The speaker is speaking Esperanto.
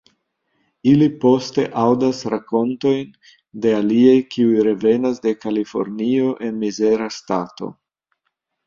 Ili poste aŭdas rakontojn de aliaj kiuj revenas de Kalifornio en mizera stato.